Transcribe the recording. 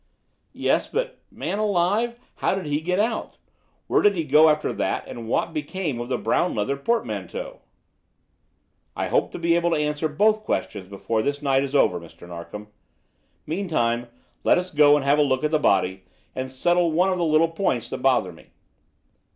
"Yes; but, man alive, how did he get out? Where did he go after that, and what became of the brown leather portmanteau?" "I hope to be able to answer both questions before this night is over, Mr. Narkom. Meantime, let us go and have a look at the body, and settle one of the little points that bother me."